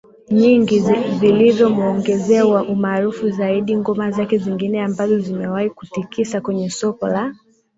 nyingi vilivyo muongezea umaarufu zaidi Ngoma zake zingine ambazo zimewahi kutikisa kwenye soko la